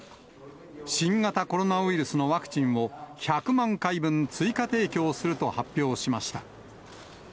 新型コロナウイルスのワクチンを、１００万回分追加提供すると発表しました。